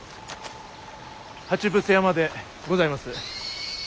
鉢伏山でございます。